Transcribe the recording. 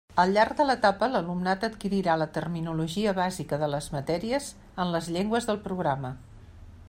Al llarg de l'etapa l'alumnat adquirirà la terminologia bàsica de les matèries en les llengües del programa.